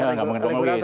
regulator pak ya